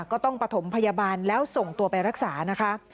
ก็ต้องประถมพยาบาลแล้วส่งตัวไปรักษานะคะ